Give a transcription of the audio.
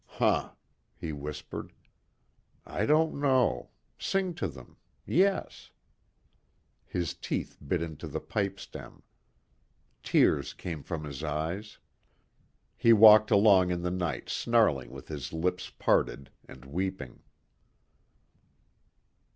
"Huh," he whispered, "I don't know.... Sing to them. Yes...." His teeth bit into the pipe stem. Tears came from his eyes. He walked along in the night snarling with his lips parted, and weeping.